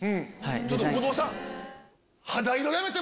ちょっと後藤さん！